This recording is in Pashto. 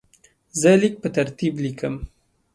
زه لیک په ترتیب لیکم.